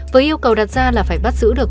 với yêu cầu đặt ra là phải bắt giữ được